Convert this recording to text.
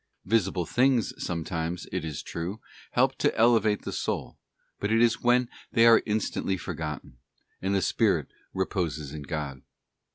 Visible things sometimes, it is true, help to elevate the soul, but it is when they are instantly forgotten, and the spirit Example of Teposes ON God.